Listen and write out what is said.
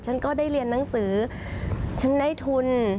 ฉันก็ได้เรียนหนังสือฉันได้ทุน